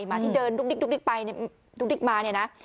หมาที่เดินดุ๊กดิ๊กไปดุ๊กดิ๊กมา